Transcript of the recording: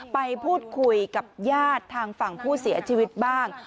ไปพูดคุยกับญาติทางฝั่งผู้เสียชีวิตบ้าง